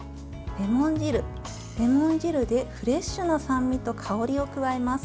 レモン汁でフレッシュな酸味と香りを加えます。